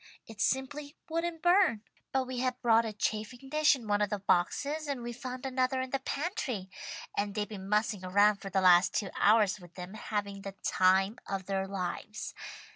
It simply wouldn't burn. But we had brought a chafing dish in one of the boxes, and we found another in the pantry, and they've been mussing around for the last two hours with them, having the time of their lives.